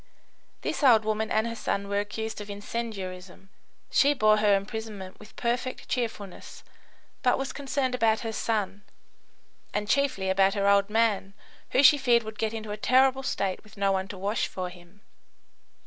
This old woman and her son were accused of incendiarism. She bore her imprisonment with perfect cheerfulness, but was concerned about her son, and chiefly about her "old man," who she feared would get into a terrible state with no one to wash for him.